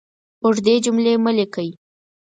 اوږدې جملې مه لیکئ!